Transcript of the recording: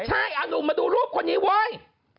ใช่เอานุ่มมาดูรูปคนนี้เว้ย